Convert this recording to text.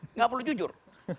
enggak perlu jujur